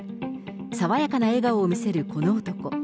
爽やかな笑顔を見せるこの男。